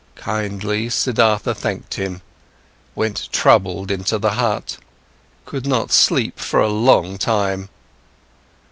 Kindly, Siddhartha thanked him, went troubled into the hut, could not sleep for a long time.